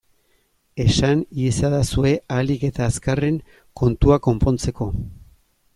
Esan iezadazue ahalik eta azkarren, kontua konpontzeko!